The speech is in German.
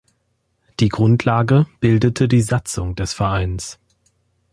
Die Grundlage bildete die Satzung des Vereins.